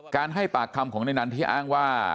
ให้ปากคำของในนั้นที่อ้างว่า